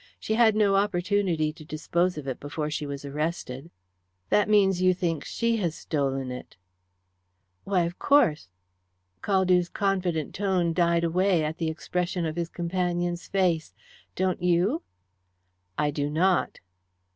She had no opportunity to dispose of it before she was arrested." "That means that you think she has stolen it." "Why, of course " Caldew's confident tone died away at the expression of his companion's face. "Don't you?" "I do not."